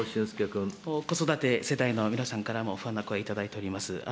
子育て世代の皆さんからも、そんな声をいただいております。